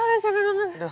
aduh sabar banget